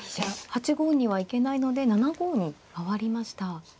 ８五には行けないので７五に回りました。